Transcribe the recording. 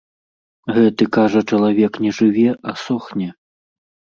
Гэты, кажа, чалавек не жыве, а сохне.